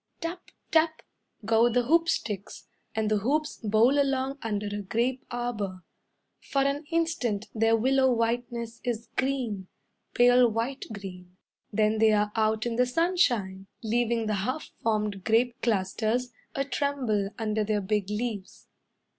Tap! Tap! go the hoop sticks, And the hoops bowl along under a grape arbour. For an instant their willow whiteness is green, Pale white green. Then they are out in the sunshine, Leaving the half formed grape clusters A tremble under their big leaves.